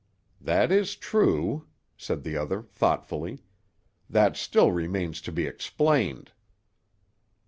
"That is true," said the other thoughtfully. "That still remains to be explained."